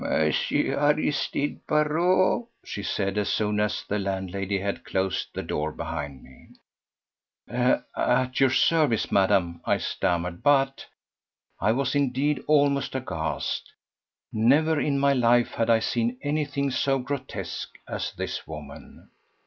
"M. Aristide Barrot," she said as soon as the landlady had closed the door behind me. "At your service, Madame," I stammered. "But—" I was indeed almost aghast. Never in my life had I seen anything so grotesque as this woman.